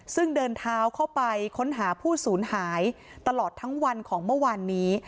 ซึ่งเดินเท้าเข้าไปค้นหาผู้สูญหายตลอดทั้งวันของเมื่อวานนี้